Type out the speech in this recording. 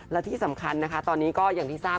และที่สำคัญนะคะตอนนี้ก็อย่างที่ทราบ